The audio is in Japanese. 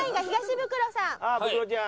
ブクロちゃん。